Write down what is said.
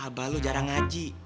abah lo jarang haji